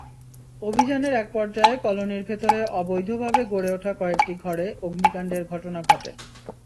অভিযানের একপর্যায়ে কলোনির ভেতরে অবৈধভাবে গড়ে ওঠা কয়েকটি ঘরে অগ্নিকাণ্ডের ঘটনা ঘটে।